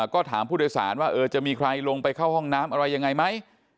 ก็ถามผู้โดยสารว่าจะมีใครลงไปเข้าห้องน้ำอะไรยังไงไหม